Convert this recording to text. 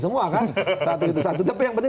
semua kan satu itu satu tapi yang penting